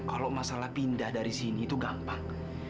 kalau masalah pindah dari sini itu gampang